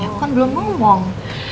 aku kan belum ngomong